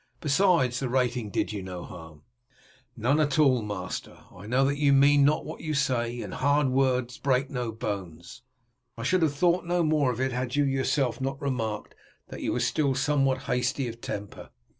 Besides, the rating did you no harm." "None at all, master. I know that you mean not what you say, and hard words break no bones. I should have thought no more of it had you yourself not remarked that you were still somewhat hasty of temper."